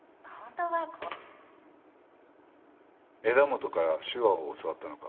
枝元から手話を教わったのか？